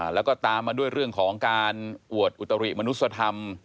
แล้วก็ตามมาด้วยเรื่องของการอวดอุตริมนุษยธรรม